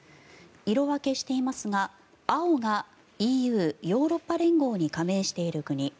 色分けしていますが青がＥＵ・ヨーロッパ連合に加盟している国。